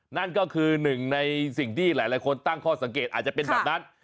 นั่นก็คือหนึ่งในสิ่งที่หลายคนตั้งข้อสังเกตอาจจะเป็นแบบนั้น